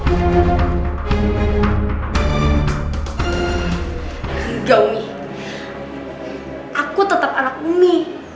enggak umi aku tetap anak umi